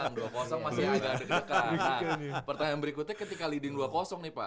belum menang dua masih agak dekat pertanyaan berikutnya ketika leading dua nih pak